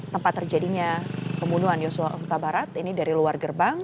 tempat terjadinya pembunuhan yosua huta barat ini dari luar gerbang